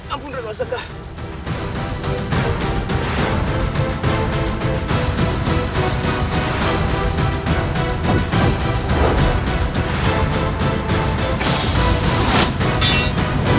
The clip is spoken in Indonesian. ampuni raka soekar